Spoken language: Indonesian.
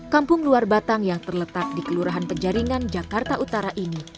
kampung luar batang yang terletak di kelurahan penjaringan jakarta utara ini